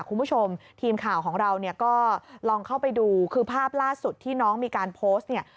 คุณผู้ชมทีมข่าวของเราเนี่ยก็ลองเข้าไปดูคือภาพล่าสุดที่น้องมีการโพสต์เนี่ย